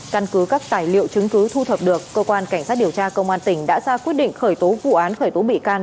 căn cứ các tài liệu chứng cứ thu thập được cơ quan cảnh sát điều tra công an tỉnh đã ra quyết định khởi tố vụ án khởi tố bị can